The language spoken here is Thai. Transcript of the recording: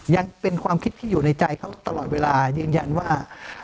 ยังเป็นความคิดที่อยู่ในใจเขาตลอดเวลายืนยันว่า